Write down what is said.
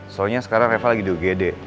soalnya sekarang reva lagi di ugd